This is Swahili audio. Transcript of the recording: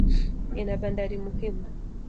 Ina bandari muhimu.